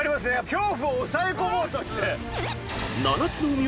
恐怖を抑え込もうとして。